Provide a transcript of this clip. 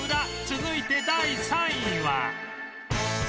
続いて第３位は